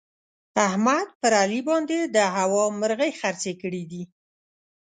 احمد پر علي باندې د هوا مرغۍ خرڅې کړې دي.